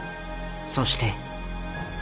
そして。